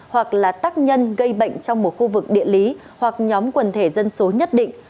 hoặc là tắc nhân gây bệnh trong một khu vực địa lý hoặc nhóm quần thể dân số nhất định